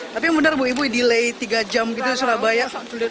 tapi benar bu ibu di lay tiga jam kita surabaya